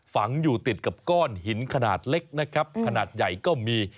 ฝังอยู่ติดกับก้อนหินขนาดเล็กนะครับขนาดใหญ่ก็มี